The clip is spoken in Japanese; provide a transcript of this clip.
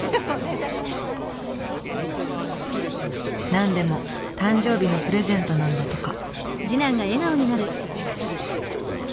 なんでも誕生日のプレゼントなんだとか。